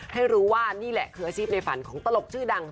ให้รู้ว่านี่แหละคืออาชีพในฝันของตลกชื่อดัง